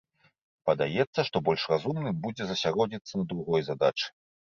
Падаецца, што больш разумным будзе засяродзіцца на другой задачы.